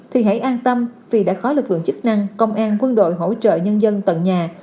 thì hãy an tâm vì đã có lực lượng chức năng công an quân đội hỗ trợ nhân dân tận nhà